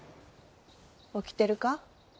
起きてるか？